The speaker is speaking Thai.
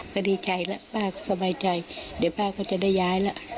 ก็ดีใจแล้วป้าก็สบายใจเดี๋ยวป้าก็จะได้ย้ายแล้ว